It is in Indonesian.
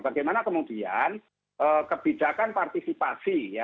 bagaimana kemudian kebijakan partisipasi ya